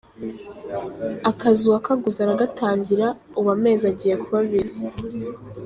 Akazi uwakaguze aragatangira, ubu amezi agiye kuba abiri.